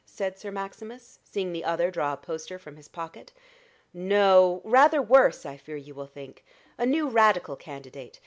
said Sir Maximus, seeing the other draw a poster from his pocket. "No; rather worse, I fear you will think. A new Radical candidate.